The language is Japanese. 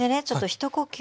一呼吸。